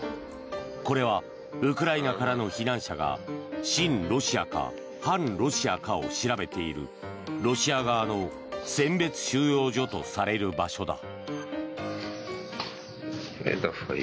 これはウクライナからの避難者が親ロシアか反ロシアかを調べているロシア側の選別収容所とされる場所だ。